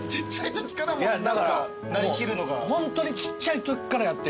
だからホントにちっちゃいときからやってんのよ。